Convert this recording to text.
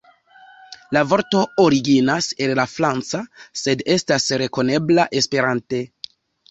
La vorto originas el la franca, sed estas rekonebla Esperante.